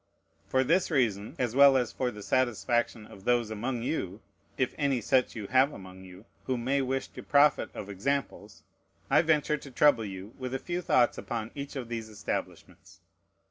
For this reason, as well as for the satisfaction of those among you (if any such you have among you) who may wish to profit of examples, I venture to trouble you with a few thoughts upon each of these establishments.